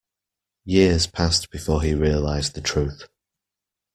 Years passed before he realized the truth.